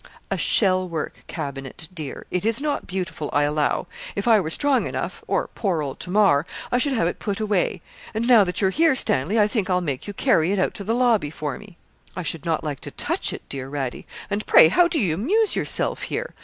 'A shell work cabinet, dear. It is not beautiful, I allow. If I were strong enough, or poor old Tamar, I should have put it away; and now that you're here, Stanley, I think I'll make you carry it out to the lobby for me.' 'I should not like to touch it, dear Radie. And pray how do you amuse yourself here?